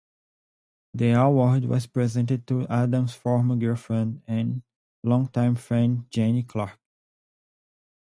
The award was presented to Adams' former girlfriend and longtime friend Jeanie Clarke.